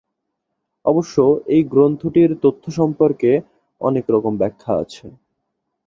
অবশ্য এই গ্রন্থটির তথ্য সম্পর্কে অনেক রকম ব্যাখ্যা আছে।